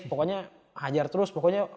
pokoknya hajar terus